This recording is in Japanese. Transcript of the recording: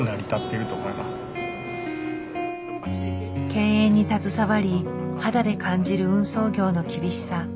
経営に携わり肌で感じる運送業の厳しさ。